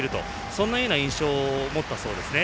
そんなような印象を持ったそうですね。